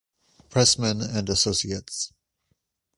Pressman and Associates.